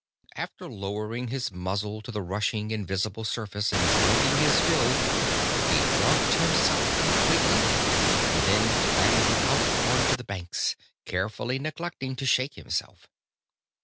After lowering his muzzle to the rushing, invisible surface and drinking his fill, he dunked himself completely and then clambered out onto the banks, carefully neglecting to shake himself.